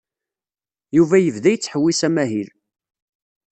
Yuba yebda yettḥewwis amahil.